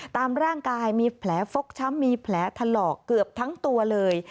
ตามร่างกายมีแผลฟกช้ำมีแผลถลอกเกือบทั้งตัวเลย